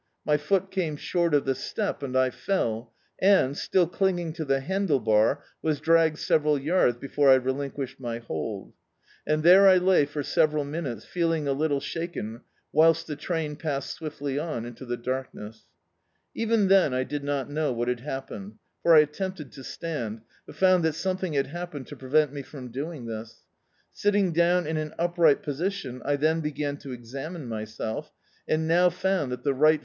My foot came short of the step, and I fell, and, still clinging to the handle bar, was dragged several yards before I relinquished my hold. And there I lay for sev eral minutes, feeling a little shaken, whilst the train passed swiftly <»i into the darkness. Even then I did not know what had happened, for I attempted to stand, but found that something had happened to prevent me from doing this. Sit ting down in an upright position, I then began to examine myself, and now found that the right foot D,i.